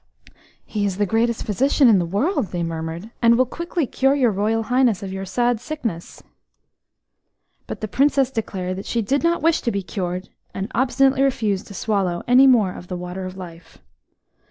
"He is the greatest physician in the world," they murmured, "and will quickly cure your Royal Highness of your sad sickness." But the Princess declared that she did not wish to be cured, and obstinately refused to swallow any more of the Water of Life.